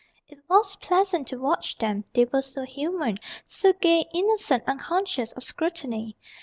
It was pleasant to watch them, they were so human; So gay, innocent, unconscious of scrutiny.